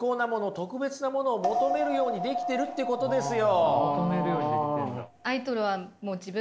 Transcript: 特別なものを求めるようにできてるっていうことですよ。